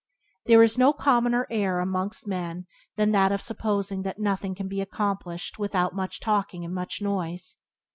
There is no commoner error amongst men than that of supposing that nothing can be accomplished without much talking and much noise.